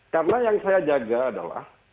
karena yang saya jaga adalah